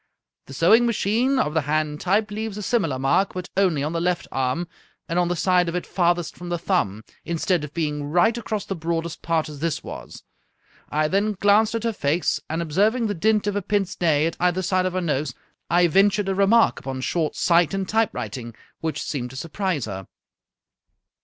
The sewing machine, of the hand type, leaves a similar mark, but only on the left arm, and on the side of it farthest from the thumb, instead of being right across the broadest part, as this was. I then glanced at her face, and observing the dint of a pince nez at either side of her nose, I ventured a remark upon short sight and typewriting, which seemed to surprise her."